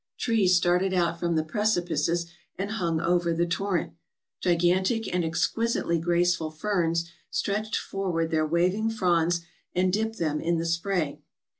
Trees started out from the precipices and hung over the torrent. Gigantic and exquisitely graceful ferns stretched forward their waving fronds and dipped them in the spray.